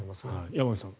山口さん。